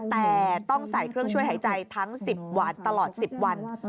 แต่ต้องใส่เครื่องช่วยหายใจทั้ง๑๐หวานตลอด๑๐วัน